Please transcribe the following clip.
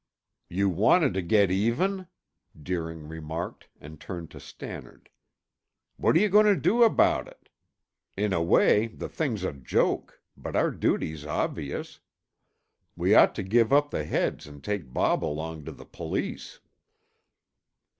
"You wanted to get even?" Deering remarked and turned to Stannard. "What are you going to do about it? In a way, the thing's a joke, but our duty's obvious. We ought to give up the heads and take Bob along to the police."